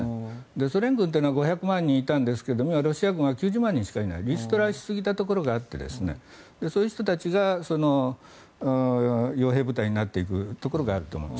ソ連軍というのは５００万人いたんですが今、ロシア軍は９０万人くらいしかいないリストラしすぎたところがあってそういう人たちが傭兵部隊になっていくところがあると思います。